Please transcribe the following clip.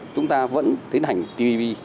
chúng ta vẫn tiến hành tpp